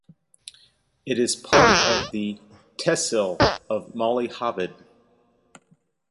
It is part of the tehsil of Malihabad.